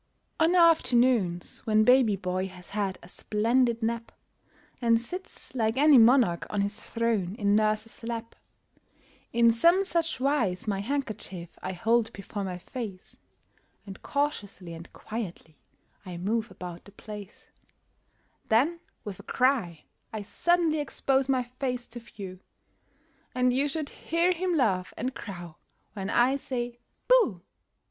On afternoons, when baby boy has had a splendid nap, And sits, like any monarch on his throne, in nurse's lap, In some such wise my handkerchief I hold before my face, And cautiously and quietly I move about the place; Then, with a cry, I suddenly expose my face to view, And you should hear him laugh and crow when I say "Booh"!